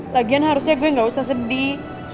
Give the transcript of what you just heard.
tagihan harusnya gue gak usah sedih